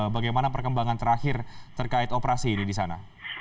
bagaimana perkembangan terakhir terkait operasi ini di sana